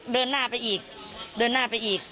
เดินหน้าไปอีกเดินหน้าไปอีก